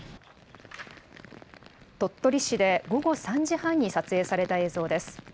鳥取市で午後３時半に撮影された映像です。